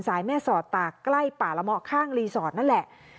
แม่สอดตากใกล้ป่าละเมาะข้างรีสอร์ทนั่นแหละ